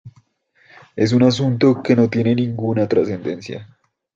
Es un asunto que no tiene ninguna trascendencia.